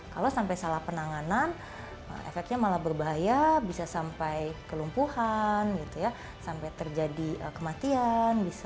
kalau sampai salah penanganan efeknya malah berbahaya bisa sampai kelumpuhan sampai terjadi kematian